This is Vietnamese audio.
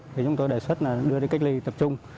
thì chúng tôi đề xuất là đưa đi cách ly tập trung